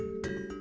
sik seru ya